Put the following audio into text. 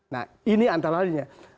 nah ini antara lainnya